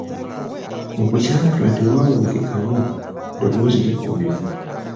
Mu kukyatula tewawulikikawo ddoboozi liggumivu.